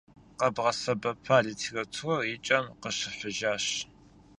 Къэдгъэсэбэпа литературэр и кӏэм къыщыхьыжащ.